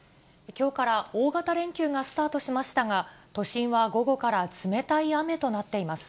きょうから大型連休がスタートしましたが、都心は午後から冷たい雨となっています。